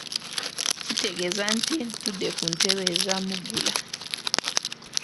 Kitegeeza nti ntudde ku ntebe eza Mugula.